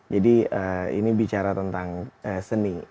jadi ini bicara tentang seni